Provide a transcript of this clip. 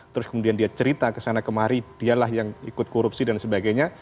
terus kemudian dia cerita kesana kemari dialah yang ikut korupsi dan sebagainya